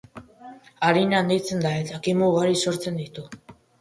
Arin handitzen da eta kimu ugari sortzen ditu.